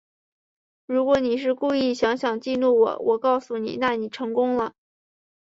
如果你是故意想想激怒我，我告诉你，那你成功了